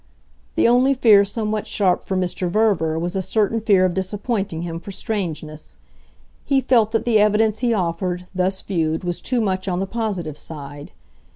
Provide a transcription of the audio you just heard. The only fear somewhat sharp for Mr. Verver was a certain fear of disappointing him for strangeness. He felt that the evidence he offered, thus viewed, was too much on the positive side.